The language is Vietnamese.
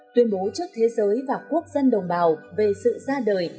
tuyên bố trước thế giới và quốc dân đồng bào về sự ra đời